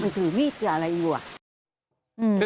มันถือมีทีอะไรอยู่